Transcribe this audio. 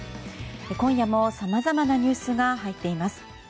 今夜もさまざまなニュースが入っています。